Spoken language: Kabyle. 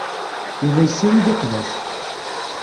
Yuba yessirid iqbac.